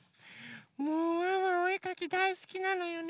もうワンワンおえかきだいすきなのよね。